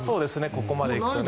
ここまでいくと。